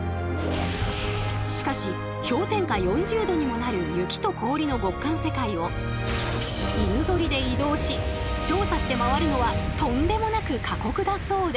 しかし氷点下４０℃にもなる雪と氷の極寒世界を犬ぞりで移動し調査して回るのはとんでもなく過酷だそうで。